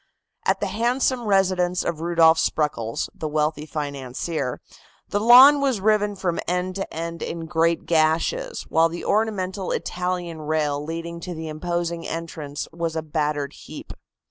At the handsome residence of Rudolph Spreckels, the wealthy financier, the lawn was riven from end to end in great gashes, while the ornamental Italian rail leading to the imposing entrance was a battered heap.